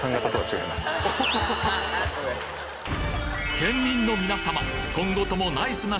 県民の皆様